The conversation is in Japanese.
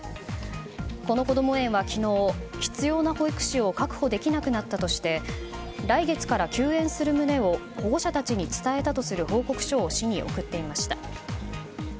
このこども園は昨日必要な保育士を確保できなくなったとして来月から休園する旨を保護者たちに伝えたとする報告書を市に送っていました。